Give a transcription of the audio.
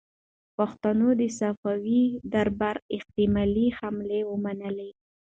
پښتنو د صفوي دربار احتمالي حملې ومنلې.